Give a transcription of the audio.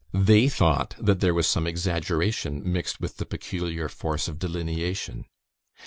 They thought that there was some exaggeration mixed with the peculiar force of delineation.